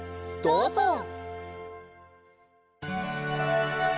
どうぞ！